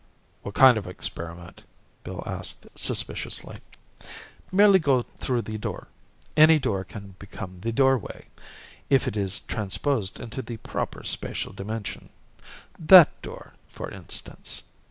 "What kind of an experiment?" Bill asked suspiciously. "Merely to go through the Door. Any door can become the Doorway, if it is transposed into the proper spatial dimension. That door, for instance."